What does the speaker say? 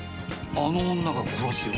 あの女が殺しを？